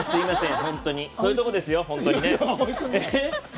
そういうところですよね。